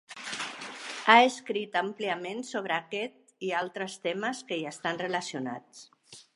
Ha escrit àmpliament sobre aquest i altres temes que hi estan relacionats.